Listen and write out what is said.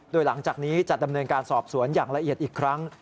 โดยหลังจากนี้จะดำเนินการสอบสวนอย่างละเอียดอีกครั้ง